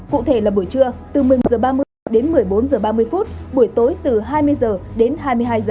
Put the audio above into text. cụ thể là buổi trưa từ một mươi h ba mươi đến một mươi bốn h ba mươi buổi tối từ hai mươi h đến hai mươi hai h